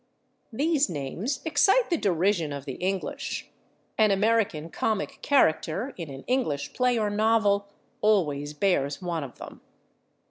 These [Pg285] names excite the derision of the English; an American comic character, in an English play or novel, always bears one of them.